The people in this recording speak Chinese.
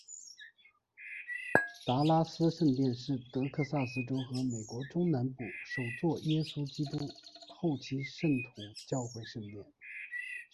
达拉斯圣殿是得克萨斯州和美国中南部首座耶稣基督后期圣徒教会圣殿。